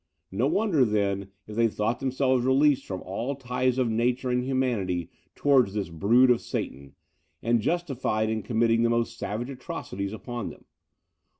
No wonder, then, if they thought themselves released from all the ties of nature and humanity towards this brood of Satan, and justified in committing the most savage atrocities upon them.